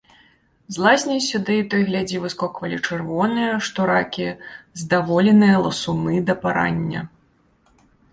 З лазні сюды то й глядзі выскоквалі чырвоныя, што ракі, здаволеныя ласуны да парання.